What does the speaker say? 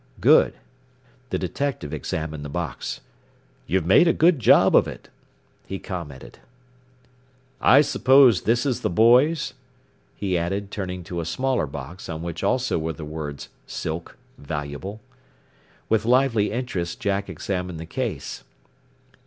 "Good." The detective examined the box. "You've made a good job of it," he commented. "I suppose this is the boy's?" he added, turning to a smaller box, on which also were the words: "SILK VALUABLE!" With lively interest Jack examined the case.